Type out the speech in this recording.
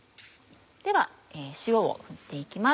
では塩を振って行きます。